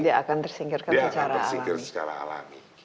dia akan tersingkirkan secara alami